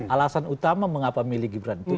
alasan utama mengapa milih gibran itu